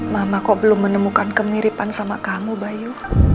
mama kau belum menemukan kemiripan sama kamu bayu